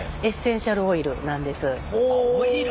オイル？